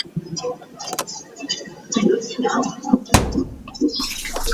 Kyamuyambye n'aweza ggoolo eyookutaano mu mpaka zino